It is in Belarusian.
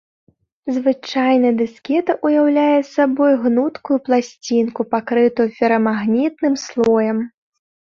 Звычайна дыскета ўяўляе сабой гнуткую пласцінку, пакрытую ферамагнітным слоем.